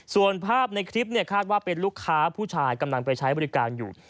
ส่วนภาพในคลิปคาดว่าเป็นลูกค้าผู้ชายกำลังไปใช้บริการอยู่